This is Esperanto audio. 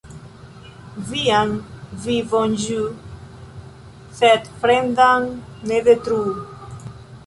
Vian vivon ĝuu, sed fremdan ne detruu.